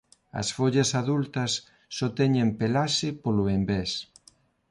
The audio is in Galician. As follas adultas só teñen pelaxe polo envés.